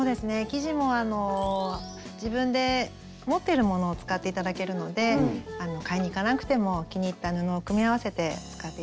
生地も自分で持ってるものを使って頂けるので買いに行かなくても気に入った布を組み合わせて使って頂いてもいいと思います。